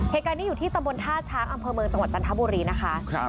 เหตุการณ์นี้อยู่ที่ตำบลท่าช้างอำเภอเมืองจังหวัดจันทบุรีนะคะ